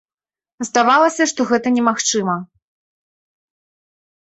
Здавалася, што гэта немагчыма.